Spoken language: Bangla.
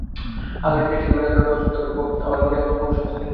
আকার জিনিসটাকে বিনা কারণে অশ্রদ্ধা করব আমার মনে এমন কুসংস্কার নেই।